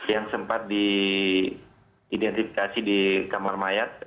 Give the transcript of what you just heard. yang sempat diidentifikasi di kamar mayat